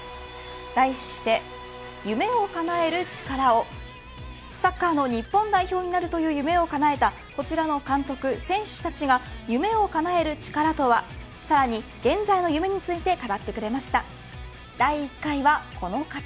題して、夢を叶えるチカラをサッカーの日本代表になると夢をかなえたこちらの監督、選手たちが夢を叶えるチカラとはさらに現在の夢について語ってくれました。